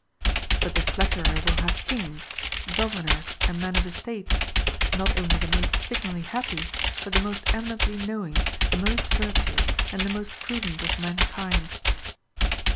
But the flat terer will have kings, governors, and men of estates, not only the most signally happy, but the most eminently knowing, the most virtuous, and the most prudent of mankind.